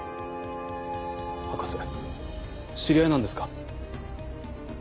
博士知り合いなんですか？